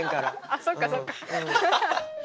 あっそっかそっか。